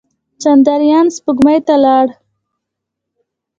چندریان سپوږمۍ ته لاړ.